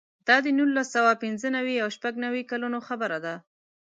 دا د نولس سوه پنځه نوې او شپږ نوې کلونو خبره ده.